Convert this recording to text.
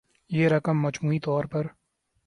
یہ رقم مجموعی طور پر